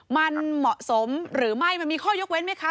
มันเหมาะสมหรือไม่มันมีข้อยกเว้นไหมคะ